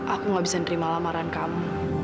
aku gak bisa nerima lamaran kamu